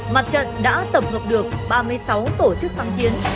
mặt trận đã tập hợp được ba mươi sáu tổ chức kháng chiến